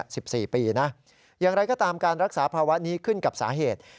อย่างไรก็ตามการรักษาภาวะนี้ขึ้นกับสาเหตุ